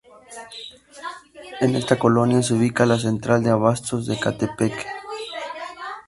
Es en esta colonia se ubica la Central de Abastos de Ecatepec.